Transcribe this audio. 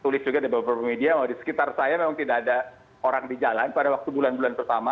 tulis juga di beberapa media oh di sekitar saya memang tidak ada orang di jalan pada waktu bulan bulan pertama